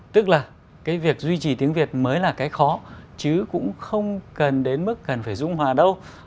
tức là cái việc duy trì tiếng việt mới là cái khó chứ cũng không cần đến mức cần phải dung hòa đâu